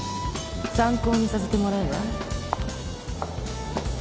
参考にさせてもらうわ。